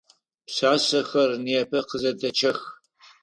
Пшъашъэхэр непэ къызэдэчъэх.